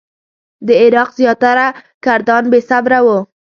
د عراق زیاتره کردان بې صبره وو.